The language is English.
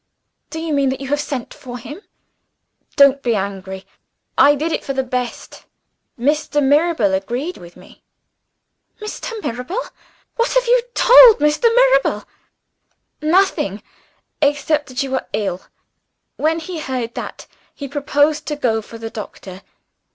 "Do you mean that you have sent for him?" "Don't be angry! I did it for the best and Mr. Mirabel agreed with me." "Mr. Mirabel! What have you told Mr. Mirabel?" "Nothing, except that you are ill. When he heard that, he proposed to go for the doctor.